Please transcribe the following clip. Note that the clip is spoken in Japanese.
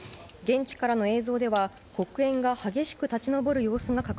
現地からの映像では黒煙が激しく立ち上る様子が。